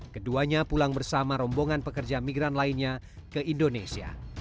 keduanya pulang bersama rombongan pekerja migran lainnya ke indonesia